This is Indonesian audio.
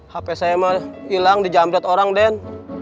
hp saya mah hilang di jamret orang den